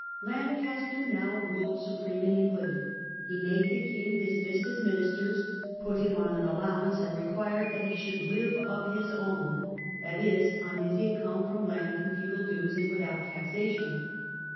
Lancaster now ruled supreme in England. He made the king dismiss his ministers, put him on an allowance, and required that he should live of his own The rui« of (that is, on his income from land and feudal Lancaster, dues, and without taxation).